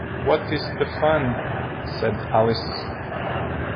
‘What is the fun?’ said Alice.